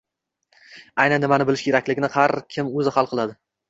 Aynan nimani bilish kerakligini har kim o‘zi hal qiladi.